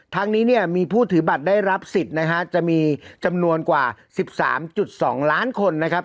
ทั้งนี้เนี่ยมีผู้ถือบัตรได้รับสิทธิ์นะฮะจะมีจำนวนกว่า๑๓๒ล้านคนนะครับ